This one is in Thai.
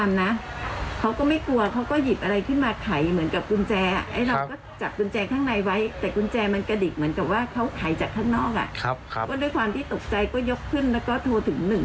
อ่ะครับครับก็ด้วยความที่ตกใจก็ยกขึ้นแล้วก็โทรถึงหนึ่ง